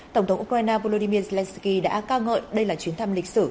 tổng thống ukraine volodymyr zelenskyy đã cao ngợi đây là chuyến thăm lịch sử